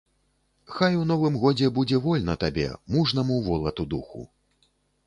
Хай у новым годзе будзе вольна табе, мужнаму волату духу!